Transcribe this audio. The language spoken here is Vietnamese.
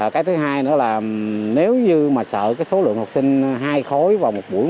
cái thứ hai nữa là nếu như mà sợ cái số lượng học sinh hai khối vào một buổi